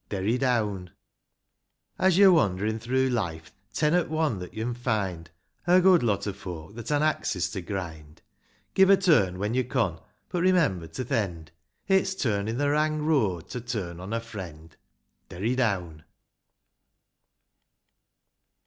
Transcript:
Derry down. X. As yo wander'n through life, ten 'at one that yo'n find A good lot o' folk that han axes to grind ; Give a turn when yo con ; but remember to th' end. It's turnin' th' wrang road to turn on a friend. Derry down.